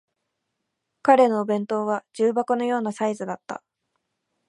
彼のお弁当は重箱のようなサイズだった